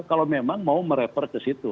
kalau memang mau merefer ke situ